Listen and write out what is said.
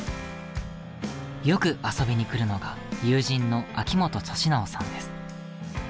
よく遊びに来るのが友人の秋元利直さんです。